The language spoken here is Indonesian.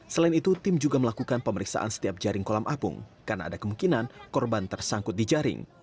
selain itu tim juga melakukan pemeriksaan setiap jaring kolam apung karena ada kemungkinan korban tersangkut di jaring